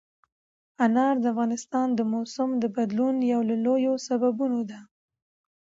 انار د افغانستان د موسم د بدلون یو له لویو سببونو ده.